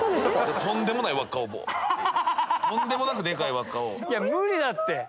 とんでもない輪っかを、いや、無理だって。